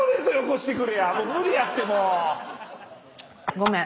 ごめん。